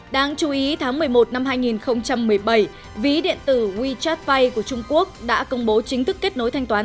đáng chú ý tháng một mươi một năm hai nghìn một mươi bảy ví điện tử wechat pay của trung quốc đã công bố chính thức kết nối thanh toán